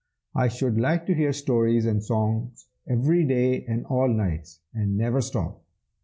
"I should like to hear stories and songs every days and all nights, and never stop!"